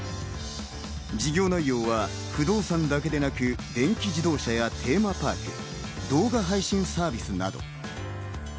事業内容は不動産だけでなく、電気自動車やテーマパーク、動画配信サービスなど。